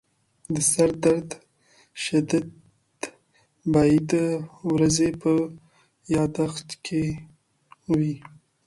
د سردرد شدت باید د ورځې په یادښت کې وي.